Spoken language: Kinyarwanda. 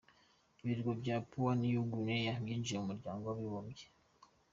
Ibirwa bya Papua New Guinea byinjiye mu muryango w’abibumbye.